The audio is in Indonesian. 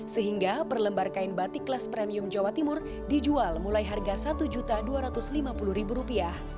sehingga per lembar kain batik kelas premium jawa timur dijual mulai harga rp satu dua ratus lima puluh